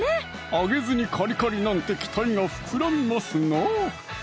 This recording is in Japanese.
揚げずにカリカリなんて期待が膨らみますな！